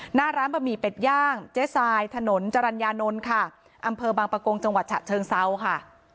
หน้าร้านบะหมี่เป็ดย่างเจ๊ทรายถนนจรรยานนท์ค่ะอำเภอบางประกงจังหวัดฉะเชิงเซาค่ะ